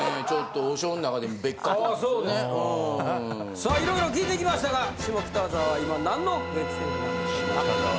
さあいろいろ聞いてきましたが下北沢は今何の激戦区なんでしょうか？